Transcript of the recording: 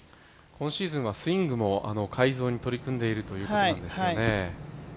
今シーズンはスイングの改造に取り組んでいるということですよね。